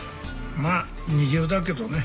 まあ二流だけどね。